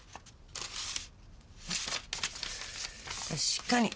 確かに。